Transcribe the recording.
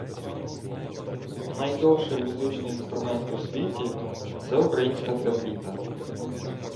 Найдовший музичний інструмент у світі — це українська трембіта